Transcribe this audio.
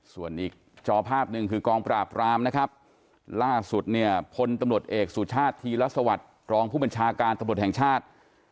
ส่วนอีกจอภาพหนึ่งคือกองปราบรามนะครับล่าสุดเนี่ยพลตำรวจเอกสู่ชาติทีและสวัสดี